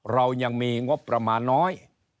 เรายังมีงบประมาณน้อย